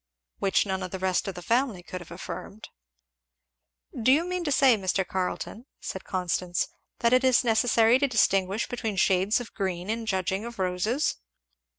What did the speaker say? Which none of the rest of the family could have affirmed. "Do you mean to say, Mr. Carleton," said Constance, "that it is necessary to distinguish between shades of green in judging of roses?"